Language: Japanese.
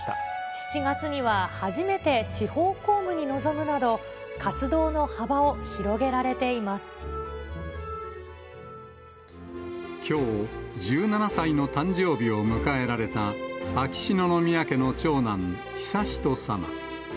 ７月には初めて地方公務に臨むなど、活動の幅を広げられていきょう、１７歳の誕生日を迎えられた秋篠宮家の長男、悠仁さま。